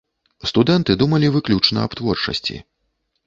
Студэнты думалі выключна аб творчасці.